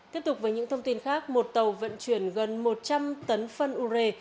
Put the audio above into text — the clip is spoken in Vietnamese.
tiếp tục với những thông tin khác một tàu vận chuyển gần một trăm linh tấn phân ure